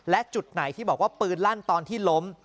และจุดไหนที่บอกว่าปืนลั่นตอนที่ล้ม